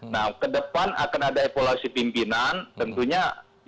nah ke depan akan ada evaluasi pimpinan tentunya di pimpinan yang akan memutuskan itu